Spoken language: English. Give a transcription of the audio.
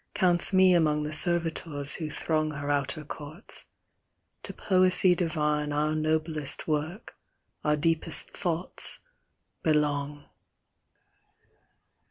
Counts me among the servitors who throng Her outer courts : to Poesy divine Our noblest work, our deepest thoughts, belong.